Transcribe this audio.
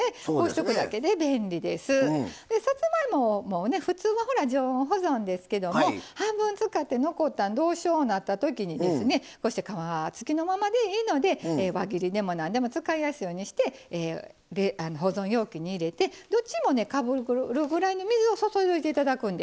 さつまいももね普通は常温保存ですけども半分使って残ったんどうしようなった時にですねこうして皮付きのままでいいので輪切りでも何でも使いやすいようにして保存容器に入れてどっちもねかぶるぐらいの水を注いどいて頂くんですね。